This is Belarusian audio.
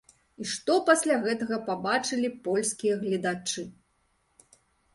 І што пасля гэтага пабачылі польскія гледачы?